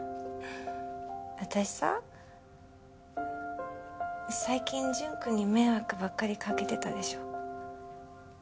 私さ最近淳くんに迷惑ばっかりかけてたでしょ？